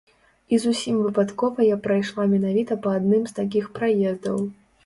І зусім выпадкова я прайшла менавіта па адным з такіх праездаў.